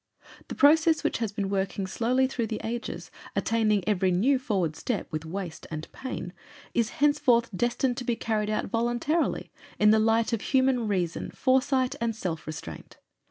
The process which has been working slowly through the ages, attaining every new forward step with waste and pain, is henceforth destined to be carried out voluntarily, in the light of human reason, foresight, and self restraint.